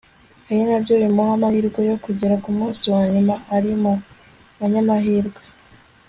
ari nabyo bimuha amahirwe yo kugera ku munsi wa nyuma ari mu banyamahirwe